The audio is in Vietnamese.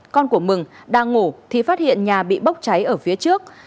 con của mừng đang ngủ thì phát hiện nhà bị bốc cháy ở phía trước